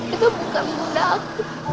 itu bukan bunda aku